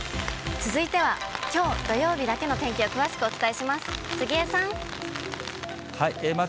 続いては、きょう土曜日だけの天気を詳しくお伝えします。